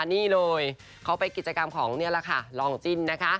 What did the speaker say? นี่เลยเขาไปกิจกรรมของนี่แหละค่ะลองจิ้นนะคะ